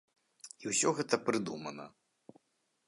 І ўсё гэта прыдумана.